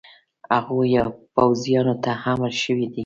هغو پوځیانو ته امر شوی دی.